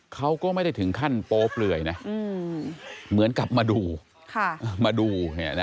เขาก็ไม่ได้ถึงขั้นโป๊บเลยนะเหมือนกับมาดู